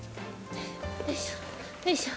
よいしょよいしょ